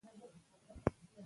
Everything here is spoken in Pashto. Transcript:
انګور خوندوره مېوه ده